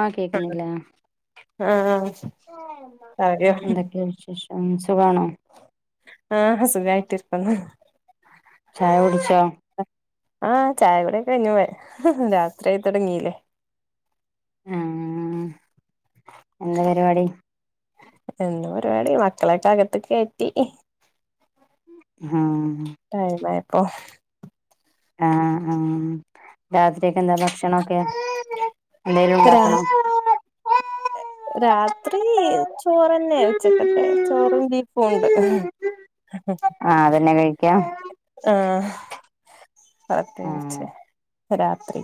ആഹ് കേക്ക്ന്നില്ലേ ആഹ് [unintelligible] പറയോ എന്തൊക്കെ വിശേഷം സുഖാണോ ആഹ് സുഖായിട്ടിരിക്കുന്നു ചായ കുടിച്ചോ ആഹ് ചായ കുടിയോക്കെ കഴിഞ്ഞു രാത്രിയായി തൊടങ്ങീലേ ഉം ഉം എന്താ പരിപാടി എന്തു പരിപാടി മക്കളൊക്കെ അകത്ത്ക്ക് കെയറ്റി ഉം ടൈമായപ്പോ ആഹ് ആഹ് രാത്രിയൊക്കെ എന്താ ഭക്ഷണൊക്കെ എന്തേലും ഇണ്ടാക്കണോ രാത്രീ ചോറെന്നെ ഉച്ചക്കത്തെ ചോറും ബീഫു ഉണ്ട് ആഹ് അതെന്നെ കഴിക്കാ ആഹ് ആഹ് പ്രത്യേകിച്ച് രാത്രി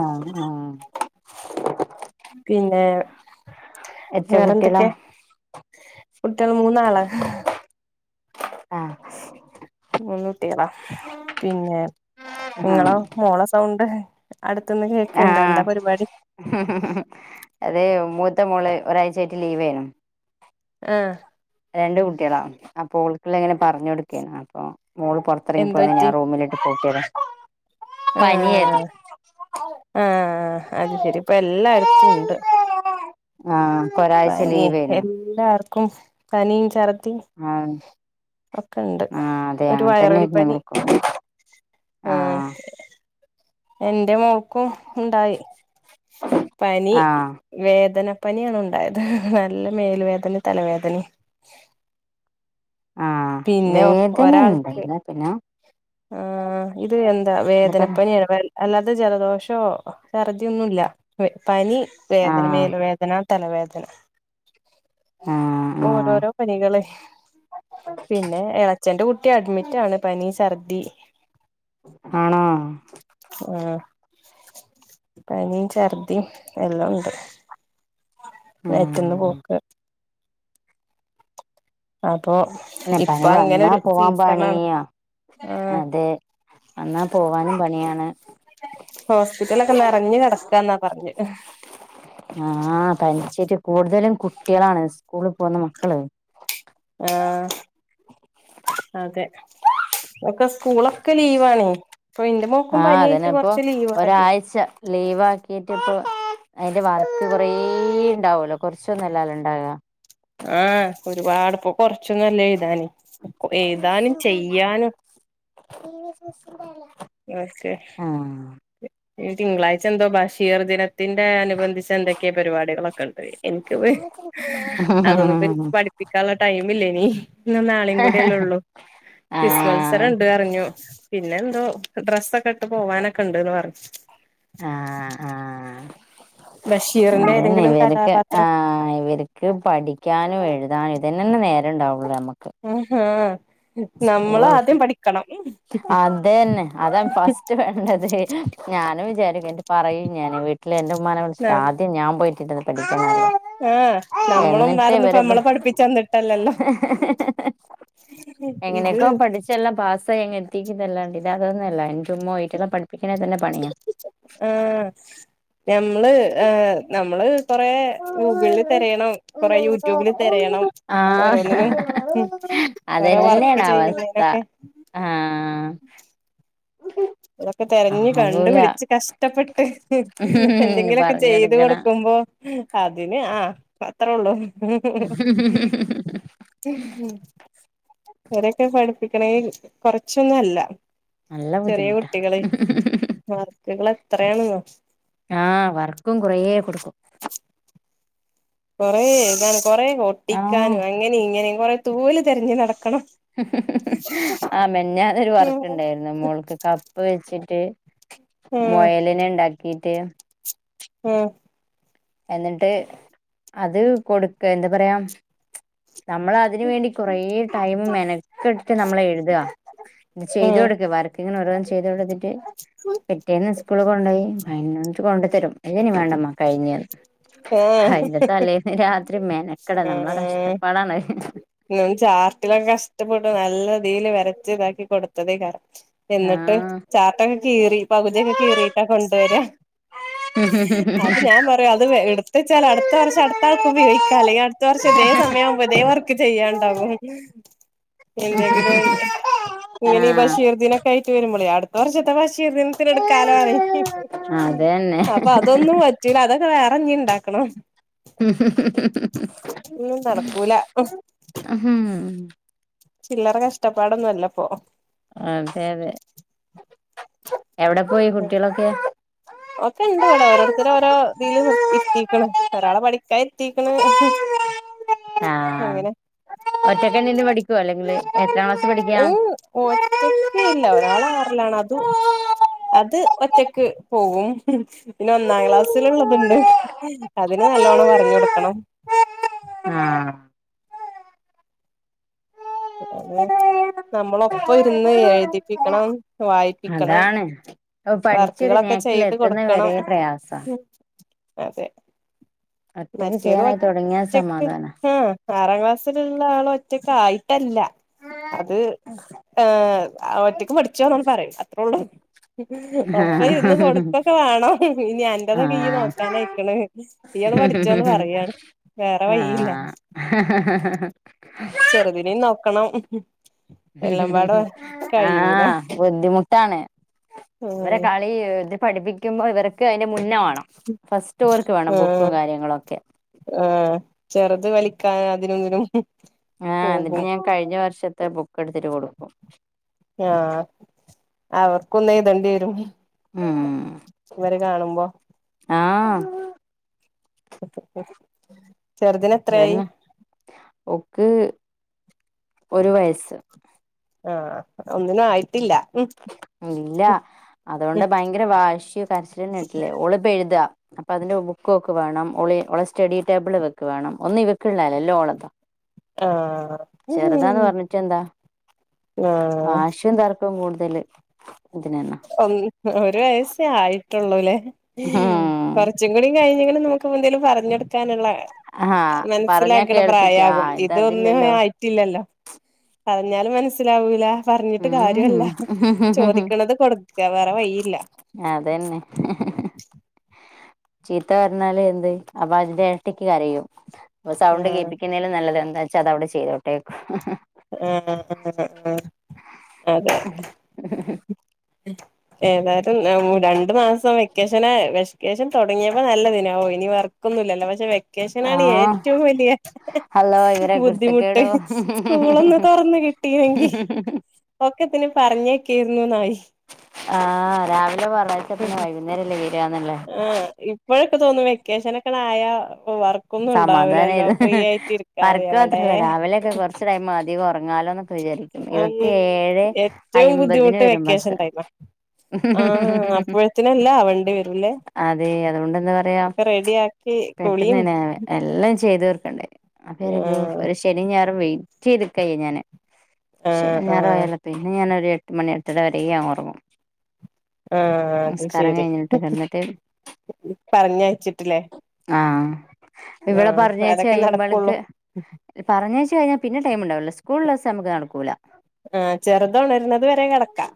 ആഹ് ആഹ് പിന്നെ എത്ര വേറെ കുട്ടികളാ എന്തൊക്കെ കുട്ട്യേള് മൂന്നാള് ആഹ് മൂന്നുട്ടികളാ പിന്നെ ആഹ് ഇങ്ങളോ മോളെ സൗണ്ട് അടുത്ത്ന്ന് കേക്ക്ണ്ടൊ എന്താ പരിപാടി ഹ ഹ് അതെ മൂത്ത മോള് ഒരാഴ്ചായിട്ട് ലീവേനു ആഹ് രണ്ട് കുട്ട്യേളാ അപ്പൊ ഓൾക്ക്ള്ള ഇങ്ങനെ പറഞ്ഞു കൊടുക്കേന്നു. അപ്പൊ മോള് പൊറ്ത്ത് എന്ത് ത്രിപോയി പറ്റി ആ റൂമിലിട്ട് പൂട്ടിയതാ പനിയായിരുന്നു ആഹ് ആഹ് അത് ശെരി ഇപ്പ എല്ലായിടത്തുണ്ട് ആഹ് ഇപ്പ ഒരാഴ്ച ലീവേന്നു എല്ലാർക്കും പനിം ചർദി ആഹ് ഒക്കെണ്ട് ആഹ് അതെ ഒരു അങ്ങനെ വയറൽ തന്നെയായിരുന്നു പനി നമ്മൾക്കും ആഹ് എന്റെ മോൾക്കും ഇണ്ടായി പനി ആഹ് വേദനപ്പനിയാണ് ഉണ്ടായത്. നല്ല മേല് വേദന തലവേദനിം ആഹ് പിന്നെ വേദനയൊന്നും ഒരാൾക്ക് ഉണ്ടായില്ല പിന്നെ ആഹ് ഇത് വെന്താ എന്താ പറയാ വേദനപ്പനിയാണ് വെ അല്ലാതെ ജലദോഷോ ചർദി ഒന്നുല്ല പനി ആഹ് വേദനമേല് വേദന തലവേദന ആഹ് ആഹ് ഓരോരോ പനികളെ പിന്നെ ഇളച്ചന്റെ കുട്ടി അഡ്മിറ്റാണ് പനി ഛർദി ആണോ ആഹ് പനിം, ഛർദിയും എല്ലാം ഉണ്ട് വയറ്റിന്ന് ആഹ് പോക്ക് അപ്പോ പനി വന്നാ പോവാൻ പണിയാ ആഹ് അതെ വന്നാ പോവാനും പണിയാണ് ഹോസ്പിറ്റലൊക്കെ നെറഞ് കെടക്കാന്നാ പറഞെ ആഹ് തനിച്ചേറ്റ് കൂടുതലും കുട്ടി ളാണ് സ്കൂളിപോകുന്ന മക്കള് ആഹ് അതെ ഒക്കെ സ്കൂളൊക്കെ ലീവാ ണേ ഇപ്പൊ ഇ- ആ അതെന്നെ പ്പൊ ഒരാഴ്ച ലീവാ ആക്കിട്ട് ഇപ്പൊ അയിന്റെ വർക്ക് കുറേ ഉണ്ടാവല്ലോ കുറച്ചൊന്നും അല്ലാലൊ ഉണ്ടാവുക ആ ഒരുപാട്പ്പൊ കൊറച്ചൊന്നുംല്ല എഴുതാന് എഴുതാനും ചെയ്യാനും [unintelligible] ഓക്കേ തിങ്കളാഴ്ച എന്തോ ബഷീർ ദിനത്തിന്റെ അനുബന്ധിച്ച് എന്തൊക്കെയെ പരിപാടികളൊ ക്കണ്ടെ എനിക്ക് പെ അതൊന്നും പഠിപ്പിക്കാനുള്ള ടൈമില്ലായിനി ഇന്നും നാളീം കൂടെല്ലേ ഉള്ളു ആഹ് ആഹ് ക്രിസ്മത്സരം ണ്ട് പറഞ്ഞു പിന്നെ ന്തോ ഡ്രസ്സൊക്കെ ഇട്ട് പോവാനൊക്കെ ഉണ്ട്ന്ന് പറഞ്ഞു [inaudible] ബഷീറിന്റെ അതെന്നെ ഏതെങ്കിലും ഇവര്ക്ക് ആ കഥാപാത്രം ഇവര് ക്ക് പഠിക്കാനും എഴുതാനും ഇതു ന്നെ തന്നെ നേരണ്ടാവുള്ളൂ നമുക്ക് ആ ഹാ നമ്മള ആദ്യം പഠി അതെന്നെ അതാ ഫസ്റ്റ് റ്റു വേണ്ടത് ഞാനും വിചാരിക്കും പറയും ഞാന് ട്ടില് എന്റെ ഉമ്മാനെ വിളിച്ചിട്ട് ആദ്യം ഞാ പോയിട്ടി പഠിക്ക ആഹ് എന്നിട്ട് നമ്മളമ്മാരൊന്നും ഇപ്പ വരെ പ നമ്മളെ പഠിപ്പിച്ചന്നിട്ടല്ലല്ലോ ഇത് എങ്ങനെക്കോ പഠിച്ചല്ലാം പാസ ങ്ങ എത്തിക്കതല്ലണ്ട് ഇ അതൊന്നല്ല എന്റെറെുമ്യിട്ടല്ലാം പഠിപ്പിക്കണെ തന്നെ പണിയാ ആ ഞമ്മള് ആ നമ്മള് കുറേ ഗൂഗിള് തെരയണം കുറേ യൂട്യൂബില് തെരയണം ആഹ് ഓരോന്നിനും ഹും ഓരോ വർക്ക് അതന്നെയാണ് അവസ്ഥ ചെയ്യുന്നതിനൊക്കെ ആഹ് ഉം ഇതൊക്കെ തെരഞ്ഞു കണ്ട് പിടിച്ച് കഷ്ടപ്പെട്ട് എന്തെങ്കിലൊക്കെ ചെയ്ത് പറഞ്ഞൊടുക്കണ കൊടുക്കുമ്പോ അതിന് ആ അത്രേള്ളൂ ഹും ഹും ഇരൊക്കെ പഠിപ്പിക്കണെൽ കൊറച്ചൊന്നും അല്ല നല്ല ചെറിയ ബുദ്ധിമുട്ടാ കുട്ടികള് വർക്കുകൾ എത്രയാണ്ന്നോ ആ വർക്കും കുറേ കൊടുക്കും കൊറ എഴുതാനും കൊറേ ആഹ് ഒട്ടിക്കാനും അങ്ങനെ ഇങ്ങനെ കൊറ തൂവല് തെരഞ്ഞ് നടക്കണം ആ മെനഞ്ഞാന്ന് ഒരു വർക്ക് ആഹ് ണ്ടായിരുന്നു മോൾക്ക് കപ്പ് വെച്ചിട്ട് ആഹ് മുയലിനെ ഇണ്ടാക്കീട്ട് ഉം എന്നിട്ട് അത് കൊടുക്ക എന്താ പറയാ നമ്മള് അതിന് വേണ്ടി കുറേ ടൈമു മെനക്കെട്ട് നമ്മള എഴുതാ ചെയ്ത് ആഹ് കൊടുക്ക വർക് ഇങ്ങനെ ഓരോന്ന് ചെയ്ത് കൊടുത്തിട്ട് പിറ്റേന്ന് സ്കൂള് കൊണ്ടയി മ [unintelligible] കൊണ്ടു തരും ഇതനി വേണ്ടമ്മ കഴിഞ്ഞ് ആഹ് അയിന്റെ തലേന്ന് രാത്രി മെനക്കടണം നമ്മളെ കഷ്ട്ടപ്പാടാണ് ന്നും ചാർട്ടിലൊക്കെ കഷ്ടപ്പെട്ടും നല്ല തില് വരച്ച് ഇതാക്കി കൊടുത്തതേ ക്കാരം എന്നിട്ട് ആ ചാർട്ടൊക്കെ കീറി പകുതിയൊക്കെ കീറിട്ടാ കൊണ്ടുവരാ അപ്പൊ ഞാൻ പറയാ അത്ട്ത്തെച്ചാ അടുത്ത വർഷം അടുത്ത ആൾക്ക്പയോഗിക്കാ അല്ലയാ ത്തവർഷം ഇതേ സമയം ആവുമ്പോ ഇതേ വർക്ക് ചെയ്യാണ്ടാവും എന്തെങ്കിലും ഇങ്ങനെ ഈ ആഹ് ബഷീർ ദിനൊക്കെ ആയിട്ട് വരുമ്പോളേ അടുത്ത വർഷത്തെ ബഷീർ ദിനത്തിന്ട്കാലോ അറിയും അതന്നെ അപ്പൊ അതൊന്നും പറ്റൂല്ല അതൊക്കെ വേറെങ്ങി ഇണ്ടാക്കണം ഹും ഒന്നും നടക്കൂല ഹും ഹും...... ചില്ലറ കഷ്ടപ്പാടൊന്നൊല്ലപ്പൊ അതെ യതെ എവിടെ പോയി കുട്ടിളൊക്കെ [inaudible] ഓക്കെണ്ട് വിടെ ഓരോരുത്തരോരോ തില് ഇരിത്തിരിക്ക്ണ് ഒരാളെ പഠിക്കാൻ ഇരിത്തീക്ക്ണ് ആഹ് ഒറ്റക്കിരുന്ന് പഠിക്കുവോ അല്ലെങ്കിൽ എത്രാം ക്ലാസ്സ് ഉ ഒറ്റക്ക ഇല്ല ഒരാളാറിലാണത് അത് ഒറ്റക്ക് പോവും പിന്നെ ഒന്നാം ക്ലാസ്സില്ള്ളത്ണ്ട് അതിന് നല്ലോണ്ണം വറഞ്ഞു കൊടുക്കണം ആ അതെ നമ്മളൊപ്പം ഇരുന്ന് എഴുതിപ്പിക്കണം വായിപ്പിക്കണം അതാണ് പഠിച്ചൊരു വർക്ക്കളൊക്കെ നേക്കിൽ ചെയ്ത് എത്തുന്ന കൊടുക്കണം വരെ പ്രയാസാ അതെ ഒറ്റക്ക് മറ്റേത് ചെയ്യാനായി തുടങ്ങിയാ ഒറ്റക്ക് സമാധാനാ ആ ആറാം ക്ലാസ്സില്ള്ള ആൾ ഒറ്റക്ക് ആയി ട്ടല്ല അത് ഏ് ഒറ്റയ്ക്ക് പഠിച്ചോന്നന്ന് പറയും അത്രള്ള് ഒപ്പ ഇരുന്ന് ആഹ് കൊട്ക്കൊക വാണം ഇനി അന്റതൊക്കെ ഇയ് നോക്കാനയിക്കണ് ഇയാള് പ [unintelligible] മഹ് ഹ് ആ ഹാ ഹാ ഹാ ചെറുതിനീം മഹ് നോക്കണം എല്ലാംപാട കയൂല ആഹ് ബുദ്ധിമുട്ടാണ് ഇവരെ കളി ഇത് പഠിപ്പിക്കുമ്പോ ഇവർക്ക് അയ്നെ മുന്നവാണം ഫാസ്റ്റ് ഓര്ക്ക് വേണം ബുക്കും ആഹ് കാര്യങ്ങളൊക്കെ ആഹ് ചെറ്ത് വലിക്കാൻ അതിനൊന്നിനും ആഹ് ഇന്നിട്ട് ഞാൻ കഴിഞ്ഞ വർഷത്തെ ബുക്ക് എട്ത്തിട്ട് കൊടുക്കും ആഹ് അവർക്കൊന്ന് എഴ്തെണ്ട്യരും ഉം ഇവരെ കാണുമ്പോ ആഹ് ചെറുതിനെ എത്രയായി ഒക്ക് ഒരു വയസ്സ് ആഹ് ഒന്നിനും ആയിട്ടില്ല ഉം ഇല്ല അതോണ്ട് ഭയങ്കര വാശ്യാേ കരച്ച്ന്നേട്ട്‌ലേ ഓള്പ്പ എഴ്താ അപ്പ അതിന്റെ ബുക്ക് ഓക്ക് വേണം ഓളേ ഓളെ സ്റ്റഡി ടേബിൾ ഇവക്ക് വേണം ഒന്ന് ഇവക്ക്ള്ളഅല്ലേ എല്ലാം ഓളത് ആഹ് പറഞ്ഞിട്ട് ആഹ് തർക്കം കൂട്തല് ഒൻ ഒരു വയസ്സേ ആയിട്ടൊള്ളൂലേ ഉം കൊറച് ച്ച്ങ്ങ്ണീം കഴിഞ്ഞ്ക്ക്ണ്ന്ന് നോക്ക് എന്തേലും പറഞ്ഞൊട്ക് ക്കാനുള്ള ആഹ് പറഞ്ഞാ മനസ്സിലാക്ക്ണ കേൾപ്പിക്ക ആ പ്രായാകും ഇത് ഇതീ ഒന്നിനും അതില്ലല്ലോ ആയിറ്റില്ലല്ലോ പറഞ്ഞാലും മനസ്സിലാവൂല പറഞ്ഞിട്ട് ഉം കാര്യോല്ല ചോദിക്ക്ണത് കൊടുക്കാ വേറെ വഴിയില്ല അതന്നെ ചീത്ത പർഞ്ഞാല് എന്ത് അപ്പ അയ്ന്റെ എരട്ടിക്ക് കരയും അപ്പ സൗണ്ട് ആഹ് കേപ്പിക് ന്നേലും നല്ലത് എന്താ വെച്ചാ അതവ്ടെ ചെയ്തോട്ടേക്കും ആഹ് ആഹ് ആഹ് ആഹ് അതെ ഉ ഉം ഏതായാലും രണ്ടു മാസം വെക്കേഷെനാ വെക്കേഷെൻ തൊടങ്ങ്യേപ്പം നല്ലെതേനി ആവൂ ഇനി വർ ക്കൊന്നുല്ലല്ലോ പക്ഷെ വെക്കേഷനനാണ് ആഹ് ഏറ്റവും വലിയെ ഹലോ ഇവരെ ബുദ്ധിമുട്ട് കുരുത്തക്കേടോ സ്കൂളൊന്ന് താെറന്ന് കിട്ടീണെങ്കി ഒക്കെത്തിനെം പറഞ്ഞെയ്ക്കേര്ന്നുന്നായി ആഹ് രാവിലെ പറഞ്ഞഴച്ച പിന്നെ വൈകുന്നേരംല്ലേ വരാന്ന്ള്ള ആഹ് ഇപ്പഴൊക്കെ തോന്നും വെക്കേഷനൊക്കെണ്ടായാ വർ സമാധാനായെത് വർക്ക് എവിടെ മാത്രെല്ല രാവിലെയൊക്കെ കൊർച്ച് ടൈമാ തികൊറങ്ങാലോന്നൊക്കെ വിചാരിക്കും ഉം ഇവക്ക് ഏഴെ ഏറ്റവും അയ്മ്പതിന് ബുദ്ധിമുട്ട് വെരും വെക്കേഷൻ ബസ്സ് ടൈമാ ആഹ് അപ്പോഴത്തിനെല്ലാം ആവണ്ടി വരൂല്ലേ അതെ അതുകൊണ്ട് എന്താ പറയാ ഒക്കെ റെഡിയാക്കി കുളിയും പെട്ടെന്നെന്നേ എല്ലം ചെയ്ത് തീർക്കണ്ടേ അപ്പാരിക്കും ആഹ് ഒര് ശെനി ഞായറും വെയ്റ്റെയ്ത്ക്കയ്യ ഞാന് ആഹ് ശെനിം ഞായറു ആഹ് ആയാല് പിന്നെ ഞാനൊരു എട്ട് മണി എട്ടെര വെരെ ഞാൻ ഓറെങ്ങും ആഹ് അത് ശെരി കഴിഞ്ഞിട്ട് കിടന്നിട്ട് പറഞ്ഞയ്ച്ചിട്ട്ലെ ആഹ് ഇവടെ പരഞ്ഞയ്ച്ച് അതൊക്കെ നടക്കുള്ളൂ കഴിയുമ്പള്ക്ക് പരഞ്ഞയ്ച്ച് കഴിഞ്ഞാ പിന്നെ ടൈമ്ണ്ടാവില്ല സ്ക്കൂൾള്ളെസം അമ്മക്ക് നടക്കൂല ആഹ് ചെർതൊണര്ന്നത് വെരെ കെടക്കാ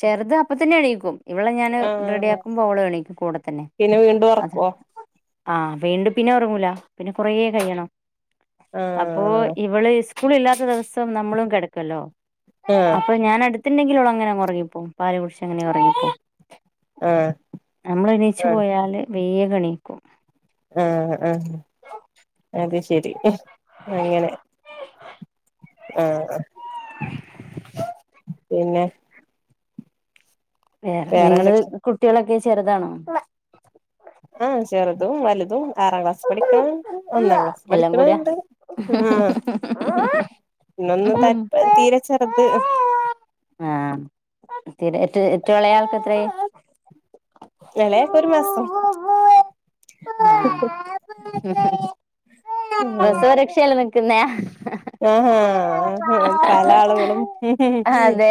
ചെറ്ത് അപ്പ തന്നെ എണീക്കും ഇവളെ ഞാൻ ആഹ് റെഡ്യാക്കുമ്പോ ഓളും എണീക്കും കൂടെത്തന്നെ പിന്നെ വീണ്ടും അത് ഉറക്കുവോ ആഹ് വീണ്ടും പിന്നെ ഒറെങ്ങൂല പിന്നെ കൊറേ കയ്യെണം അപ്പോ ആഹ് ഇവെള് സ്കൂള് ഇല്ലാത്ത ദെവസം നമ്മളും കെടക്കല്ലോ ആഹ് അപ്പൊ ഞാന് അട് ത്ത്ണ്ടെങ്കിലോളങ്ങെനെങ്ങ് ഒർങ്ങിപ്പോവും പാല് കുടിച്ച് അങ്ങെനേ ഒറെങ്ങിപ്പോവും ആഹ് നമ്മളെണീച്ച് ആഹ് പോയാല് വേഗണീക്കും ആഹ് ആഹ് അത് ശെരി അങ്ങെനെ ആഹ് അഹ് പിന്നെ വേറെ നിങ്ങള് കുട്ടികളൊക്കെ ചെറ്താണോ? ആഹ് ചെറ്തും വല്തും ആറാം ക്ലാസ് പഠിക്ക്ണ് ഒന്നാം ക്ലാസ് എല്ലാം കൂടിയാ പഠിക്ക്ണെ‌ണ്ട് ആഹ് ഇങ്ങെളൊന്നും ത തീരെ ചെറ്ത് ആ തീരെ ഏറ്റു ഏറ്റും എളെയാൾക്കെത്രായ് എളമയാക്കാെര് മാസം പ്രസവരെക്ഷേല് നിക്ക്ന്നെയാ ആഹ് ഹാഹ് പല ആളുകളും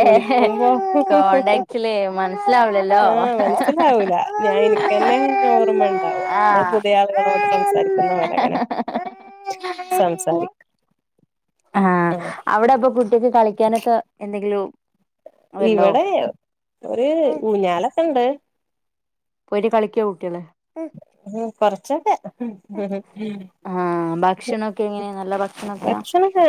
വിളിക്കുമ്പോ ബേക്സിലെ മൻസ് ആഹ് മനസ്സിലാവൂല ഞാൻ ഇനിക്കെന്നെ ഓർമ്മണ്ടാവൂല ആഹ് [unintelligible] ലിയ ആള്കളോട് സംസാരിക്കുന്ന പോലെങ്ങനെ സംസാരി ആഹ് അവടെ അപ്പൊ കുട്ടിക്ക് കളിക്കാനൊക്കെ എന്തെങ്കിലു ഇവടെ ഒര് ഊഞ്ഞാലൊക്കെണ്ട് ഓര് കളിയ്ക്കാേ കുട്ട്യേള് ഉം കൊറൊച്ചൊക്കെ ഉം ആഹ് ഭക്ഷണൊക്കെ എങ്ങനെയാ നല്ല ഭക്ഷണാെ ഭക്ഷണാെക്കെ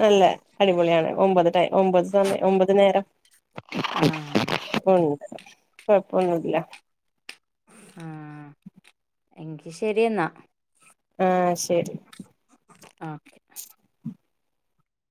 നല്ല അടിപൊള്യാണ് ഒമ്പത് ടൈ ഒമ്പത് സമ ഒമ്പത് നേരം ആഹ് ഉം ണ്ട് കൊഴപ്പൊന്നുല്ല. ആഹ് എങ്കി ശെരിയെന്നാ. ആഹ് ശരി. ആഹ്